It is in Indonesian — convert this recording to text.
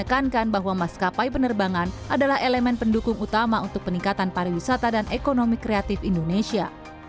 menekankan bahwa maskapai penerbangan adalah elemen pendukung utama untuk peningkatan pariwisata dan ekonomi kreatif indonesia